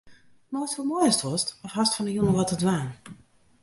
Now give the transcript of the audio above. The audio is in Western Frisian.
Meist wol mei ast wolst of hast fan 'e jûn al wat te dwaan?